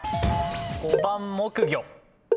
５番木魚。